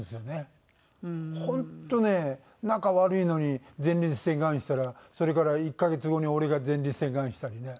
本当ね仲悪いのに前立腺がんしたらそれから１カ月後に俺が前立腺がんしたりね。